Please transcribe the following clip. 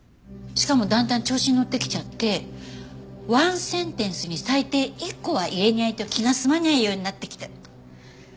しかもだんだん調子にのってきちゃってワンセンテンスに最低１個は入れにゃいと気が済まにゃいようになってきた。